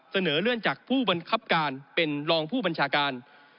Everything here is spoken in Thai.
เสนอเลื่อนจากผู้บังคับการเป็นรองผู้บัญชาการ